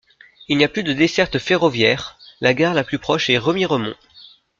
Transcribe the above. Il n'y a plus de desserte ferroviaire, la gare la plus proche est Remiremont.